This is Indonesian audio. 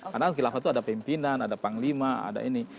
karena khilafah itu ada pimpinan ada panglima ada ini